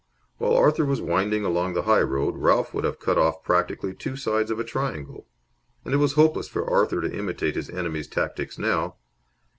While Arthur was winding along the high road, Ralph would have cut off practically two sides of a triangle. And it was hopeless for Arthur to imitate his enemy's tactics now.